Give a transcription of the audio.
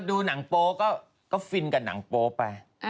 ดูหนังโป๊ก็ฟินกับหนังโป๊ไป